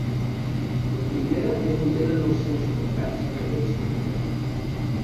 La primera és on tenen els seus mercats en aquests moments.